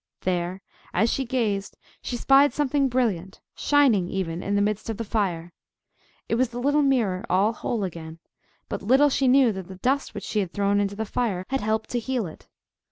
There, as she gazed, she spied something brilliant,—shining even, in the midst of the fire: it was the little mirror all whole again; but little she knew that the dust which she had thrown into the fire had helped to heal it.